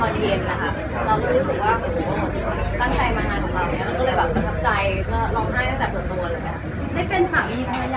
ไปทางการแล้วรู้สึกยังไงบ้างคะ